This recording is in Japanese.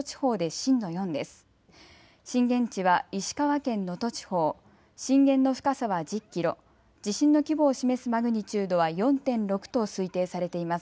震源地は石川県能登地方、震源の深さは１０キロ、地震の規模を示すマグニチュードは４．６と推定されています。